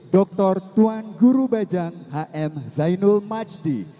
dr tuan guru bajang hm zainul majdi